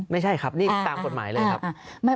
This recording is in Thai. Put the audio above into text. ไม่ใช่ครับนี่ตามกฎหมายเลยครับ